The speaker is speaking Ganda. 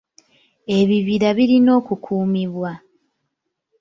Ebibira birina okukuumibwa.